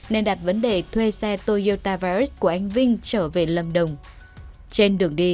nên đặt vấn đề thuê xe toyota virus